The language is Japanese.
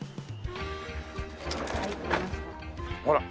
ほら。